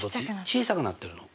小さくなってるの。